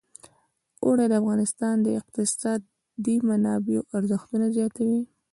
اوړي د افغانستان د اقتصادي منابعو ارزښت زیاتوي.